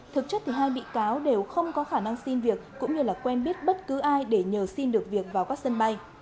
thực chất thì hai bị cáo đều không có khả năng xin việc cũng như là quen biết bất cứ ai để nhờ xin được việc vào các sân bay